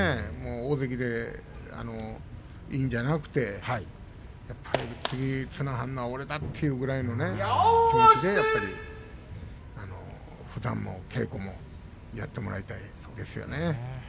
大関でいい、のではなくてやっぱり次、綱を張るのは自分だというぐらいの気持ちでふだんも稽古をやってもらいたいですね。